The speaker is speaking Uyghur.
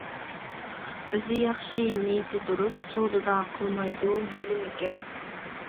ئۆزى ياخشى، نىيىتى دۇرۇس، سودىدا قىلمايدۇ ھىيلە-مىكىر.